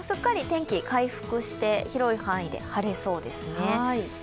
すっかり天気回復して、広い範囲で晴れそうですね。